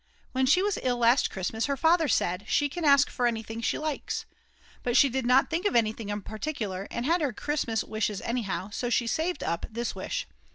When she was ill last Christmas her father said: She can ask for anything she likes. But she did not think of anything in particular, and had her Christmas wishes anyhow, so she saved up this wish.